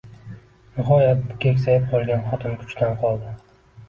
Nihoyat bu keksayib qolgan xotin kuchdan qoldi